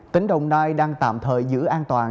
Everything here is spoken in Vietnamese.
tỉnh đồng nai đang tạm thời giữ an toàn